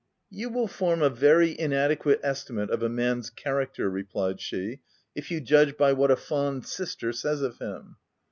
"" You will form a very inadequate estimate of a man's character,'* replied she, " if you judge by what a fond sister says of him.